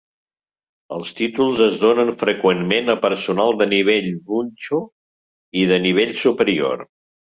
Els títols es donen freqüentment a personal de nivell "Bucho" i de nivell superior.